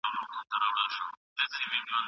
علامه رشاد د پښتو شعر او نثر دواړو استاد وو.